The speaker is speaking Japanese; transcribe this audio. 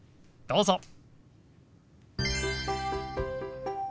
どうぞ。